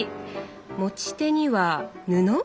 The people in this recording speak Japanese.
持ち手には布？